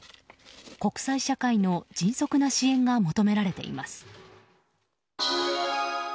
国際社会の迅速な支援が求められています。